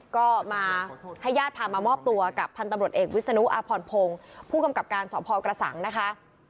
ก็มาให้ญาติพามามอบตัวกับพันธุ์ตำรวจเอกวิศนุอาพรพงศ์ผู้กำกับการสพกระสังนะคะ